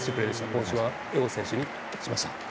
今週は江越選手にしました。